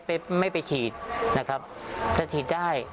เพราะถ้าไม่ฉีดก็ไม่ได้